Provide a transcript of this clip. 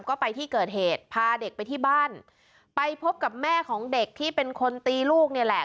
ก็ไปที่เกิดเหตุพาเด็กไปที่บ้านไปพบกับแม่ของเด็กที่เป็นคนตีลูกนี่แหละ